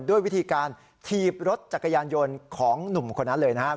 ด้วยวิธีการถีบรถจักรยานยนต์ของหนุ่มคนนั้นเลยนะครับ